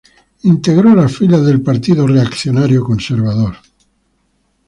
Integró las filas del Partido Conservador.